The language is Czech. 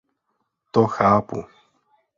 To chápu.